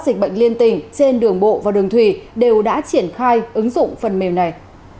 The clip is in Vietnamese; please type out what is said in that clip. dịch bệnh liên tình trên đường bộ và đường thủy đều đã triển khai ứng dụng phần mềm này